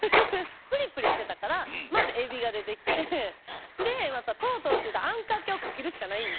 ぷりぷりしてたからまずエビがでてきてでなんかとろとろっていったらあんかけをかけるしかないんですよ